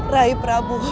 rahim prabu aku mohon